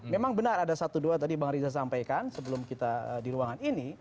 memang benar ada satu dua tadi bang riza sampaikan sebelum kita di ruangan ini